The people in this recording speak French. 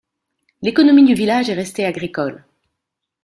L'économie du village est restée agricole.